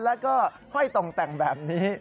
แล้วก็ห้อยตรงแต่งแบบนี้